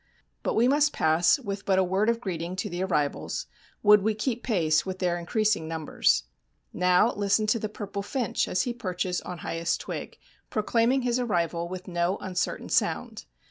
But we must pass with but a word of greeting to the arrivals, would we keep pace with their increasing numbers. Now listen to the purple finch as he perches on highest twig, proclaiming his arrival with no uncertain sound.